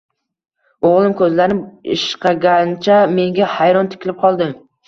O`g`lim ko`zlarini ishqagancha, menga hayron tikilib qoldi